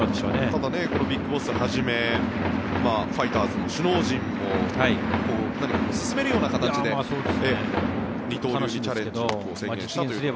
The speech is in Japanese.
ただＢＩＧＢＯＳＳはじめファイターズの首脳陣も何か勧めるような形で二刀流チャレンジを。